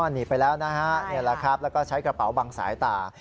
หนีไปแล้วนะฮะนี่แหละครับแล้วก็ใช้กระเป๋าบังสายตา